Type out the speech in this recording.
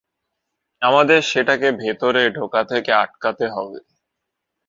আমাদের সেটাকে ভেতরে ঢোকা থেকে আটকাতে হবে।